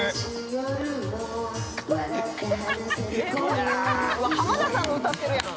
夜も浜田さんの歌ってるやん。